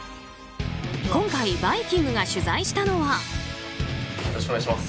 今回「バイキング」が取材したのは。